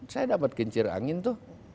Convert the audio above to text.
saya dapat kincir angin tuh